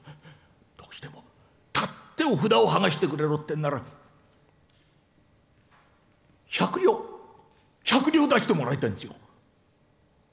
どうしても、たってお札をはがしてくれろってんなら１００両、１００両出してもらいたいんですよ。